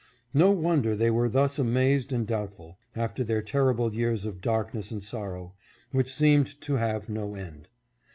No wonder they were thus amazed and doubtful, after their terrible years of darkness and sorrow, which seemed to have no end.